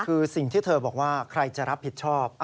คือสิ่งที่เธอบอกว่าใครจะรับผิดชอบ